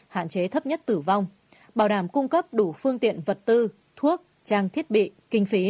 hạn chế thấp nhất tử vong bảo đảm cung cấp đủ phương tiện vật tư thuốc trang thiết bị kinh phí